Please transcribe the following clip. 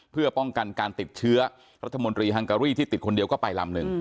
เพื่อป้องกันการติดเชื้อรัฐมนตรีฮังการีที่ติดคนเดียวก็ไปลำหนึ่ง